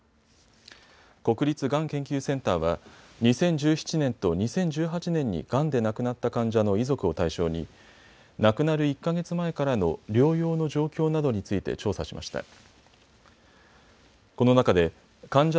国立がん研究センターは２０１７年と２０１８年にがんで亡くなった患者の遺族を対象に亡くなる１か月前からの療養の状況などについて調査しました。